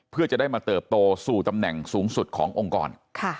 เพื่อจะได้มาเติบโตสู่ตำแหน่งสูงสุดขององค์กร